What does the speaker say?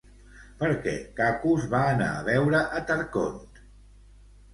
Per què Cacus va anar a veure a Tarcont?